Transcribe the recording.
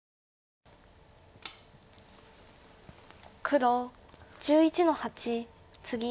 黒１１の八ツギ。